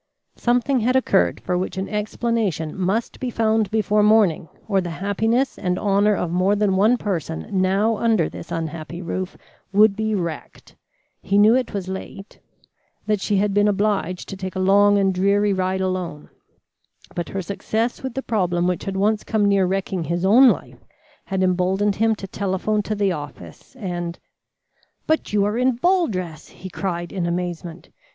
Something had occurred for which an explanation must be found before morning, or the happiness and honour of more than one person now under this unhappy roof would be wrecked. He knew it was late that she had been obliged to take a long and dreary ride alone, but her success with the problem which had once come near wrecking his own life had emboldened him to telephone to the office and "But you are in ball dress," he cried in amazement.